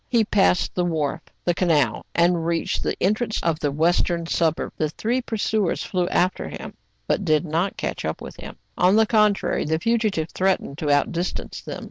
He passed the wharf, the canal, and reached the entrance of the western suburb. The three pursuers flew after him, but did not catch up with him : on the contrary, the fugitive threatened to out distance them.